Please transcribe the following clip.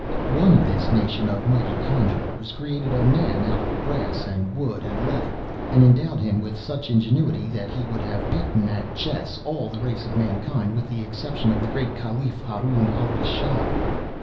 "'One of this nation of mighty conjurors created a man out of brass and wood, and leather, and endowed him with such ingenuity that he would have beaten at chess, all the race of mankind with the exception of the great Caliph, Haroun Alraschid.